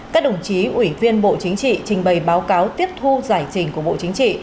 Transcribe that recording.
các đồng chí ủy viên bộ chính trị trình bày báo cáo tiếp thu giải trình của bộ chính trị